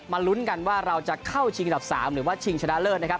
ลุ้นกันว่าเราจะเข้าชิงอันดับ๓หรือว่าชิงชนะเลิศนะครับ